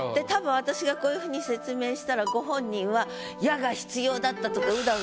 たぶん私がこういうふうに説明したらご本人は「『や』が必要だった」とか。